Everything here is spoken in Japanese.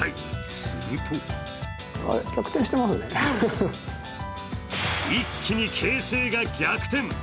すると、一気に形勢が逆転。